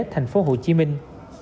thành phố hồ chí minh